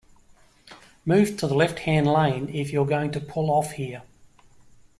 Move to the left-hand lane if you're going to pull off here